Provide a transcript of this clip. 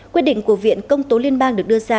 quyết định của viện công tố liên bang được đưa ra